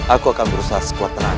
aku akan berusaha sekuat tenaga